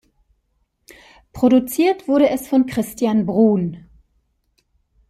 Produziert wurde es von Christian Bruhn.